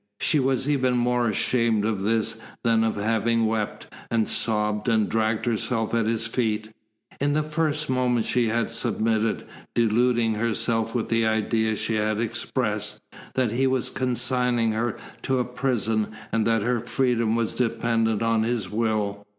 She was even more ashamed of this than of having wept, and sobbed, and dragged herself at his feet. In the first moment she had submitted, deluding herself with the idea she had expressed, that he was consigning her to a prison and that her freedom was dependent on his will.